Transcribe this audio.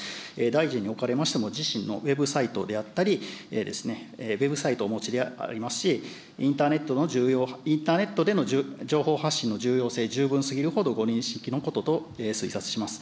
大臣におかれましても、自身のウェブサイトであったりですね、ウェブサイトをお持ちでありますし、インターネットでの情報発信の重要性、十分すぎるほどご認識のことと推察します。